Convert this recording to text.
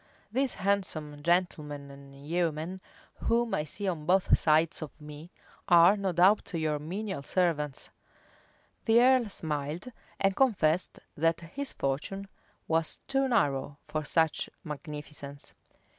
These handsome gentlemen and yeomen, whom I see on both sides of me, are no doubt your menial servants." The earl smiled, and confessed that his fortune was too narrow for such magnificence.